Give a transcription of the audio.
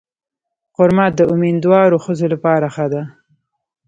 خرما د امیندوارو ښځو لپاره ښه ده.